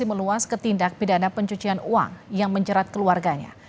untuk mengemas ketindak pidana pencucian uang yang menjerat keluarganya